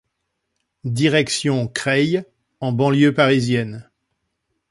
Direction Creil en banlieue parisienne.